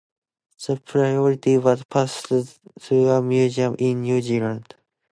The priory was passed to a museum in New Zealand.